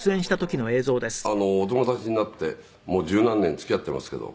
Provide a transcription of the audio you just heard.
お友達になってもう十何年付き合っていますけど」